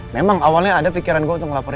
memang awalnya ada pikiran gue untuk ngelaporin